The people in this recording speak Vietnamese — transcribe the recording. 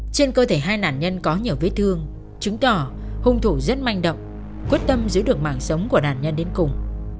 trên cơ thể hai nạn nhân có nhiều vết thương chứng tỏ hung thủ rất manh động quyết tâm giữ được mạng sống của nạn nhân đến cùng